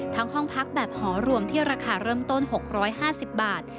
ห้องพักแบบหอรวมที่ราคาเริ่มต้น๖๕๐บาท